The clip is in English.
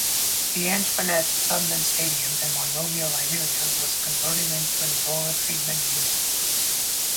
The Antoinette Tubman Stadium in Monrovia, Liberia was converted into an Ebola treatment unit.